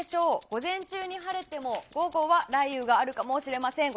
午前中に晴れても午後は雷雨があるかもしれません。